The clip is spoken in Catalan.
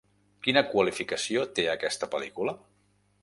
Quina qualificació té aquesta pel·lícula?